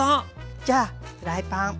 じゃあフライパン。